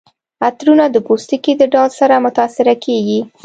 عطرونه د پوستکي د ډول سره متاثره کیږي.